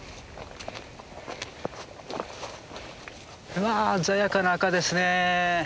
うわ鮮やかな赤ですねえ。